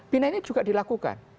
pina ini juga dilakukan